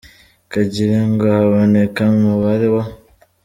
kugira ngo haboneke umubare